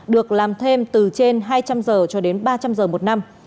được làm thêm từ trên hai trăm linh giờ cho đến ba trăm linh giờ một năm